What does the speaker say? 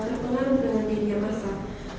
terpengaruh dengan dirinya masyarakat